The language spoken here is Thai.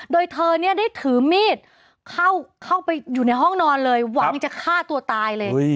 โดยเธอเนี่ยได้ถือมีดเข้าไปอยู่ในห้องนอนเลยหวังจะฆ่าตัวตายเลย